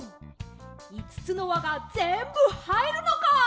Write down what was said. いつつのわがぜんぶはいるのか？